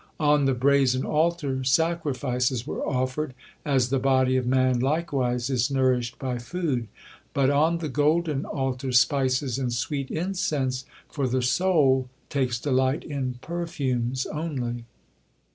On the brazen altar sacrifices were offered, as the body of man, likewise, is nourished by food; but on the golden altar, spices and sweet incense, for the soul takes delight in perfumes only.